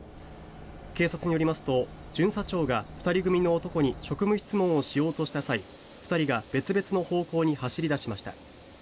警察によりますと巡査長が２人組の男に職務質問をしようとした際２人が別々の方向に走り出しました。